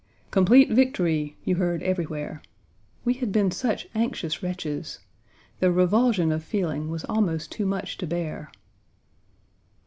"Complete victory," you heard everywhere. We had been such anxious wretches. The revulsion of feeling was almost too much to bear.